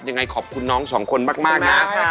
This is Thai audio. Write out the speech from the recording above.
อย่างไรขอบคุณน้องสองคนมากนะครับ